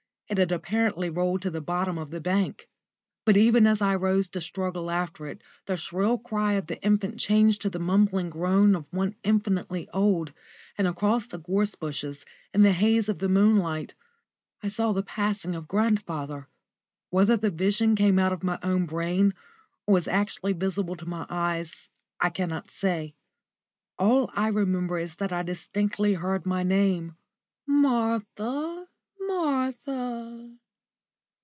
It had apparently rolled to the bottom of the bank. But even as I rose to struggle after it, the shrill cry of the infant changed to the mumbling groan of one infinitely old, and across the gorse bushes, in the haze of the moonlight, I saw the passing of grandfather. Whether the vision came out of my own brain, or was actually visible to my eyes, I cannot say. All I remember is that I distinctly heard my name, "Martha, Martha!"